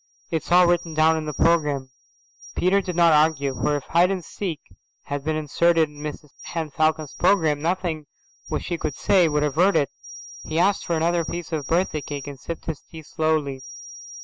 It's all written down in the programme." Peter did not argue, for if hide and seek had been inserted in Mrs Henne Falcon's programme, nothing which he could say would avert it. He asked for another piece of birthday cake and sipped his tea slowly.